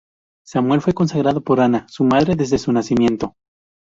Samuel fue consagrado por Ana, su madre, desde su nacimiento.